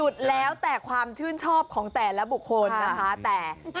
แต่ว่า